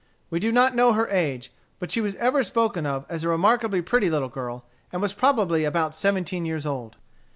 We do not know her age, but she was ever spoken of as a remarkably pretty little girl, and was probably about seventeen years old.